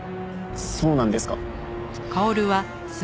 そうなんですか？